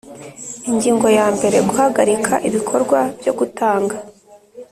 Ingingo yambere Guhagarika ibikorwa byo gutanga